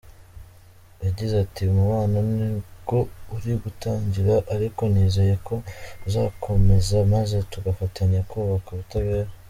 Yagize ati:” Umubano nibwo uri gutangira ariko nizeye ko uzakomeza maze tugafatanya kubaka ubutabera.